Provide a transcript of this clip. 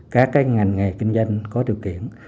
các ngành nghề kinh doanh có điều kiện